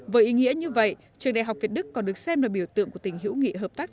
với ý nghĩa như vậy trường đại học việt đức còn được xem là biểu tượng của tình hữu nghị hợp tác